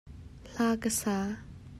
Hla ka sa.